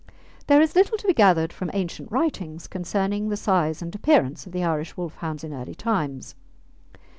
There is little to be gathered from ancient writings concerning the size and appearance of the Irish Wolfhounds in early times.